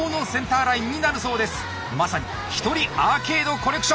まさに一人アーケードコレクション！